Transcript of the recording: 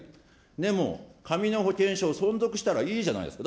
でも紙の保険証を存続したらいいじゃないですか。